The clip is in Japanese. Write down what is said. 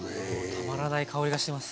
たまらない香りがしてます。